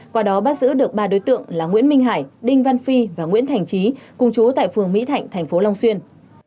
qua đó bắt giữ được ba đối tượng là nguyễn minh hải đinh văn phi và nguyễn thành trí cùng chú tại phường mỹ thạnh thành phố long xuyên